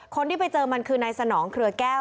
คนที่ไปเจอมันคือนายสนองเครือแก้ว